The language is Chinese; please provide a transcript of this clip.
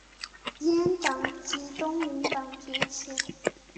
阉党及东林党崛起。